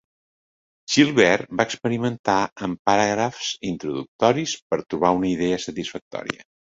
Gilbert va experimentar amb paràgrafs introductoris per trobar una idea satisfactòria.